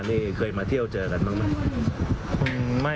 นี่เคยมาเที่ยวเจอกันบ้างไหม